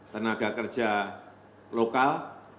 tenaga kerja lokal